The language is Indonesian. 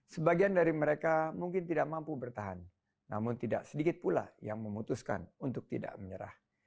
sebagian dari mereka mungkin tidak mampu bertahan namun tidak sedikit pula yang memutuskan untuk tidak menyerah